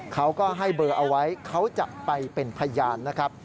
เขาก็ให้เบอร์เอาไว้เขาจะไปเป็นพยานนะครับ